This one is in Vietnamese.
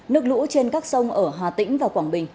nước lũ trên các sông ở hà tĩnh và quảng bình